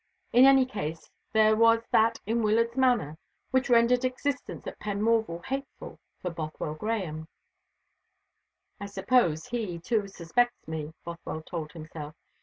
In any case there was that in Wyllard's manner which rendered existence at Penmorval hateful for Bothwell Grahame. "I suppose he, too, suspects me," Bothwell told himself.